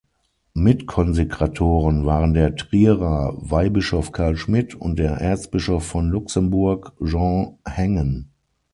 Mitkonsekratoren waren der Trierer Weihbischof Carl Schmidt und der Erzbischof von Luxemburg, Jean Hengen.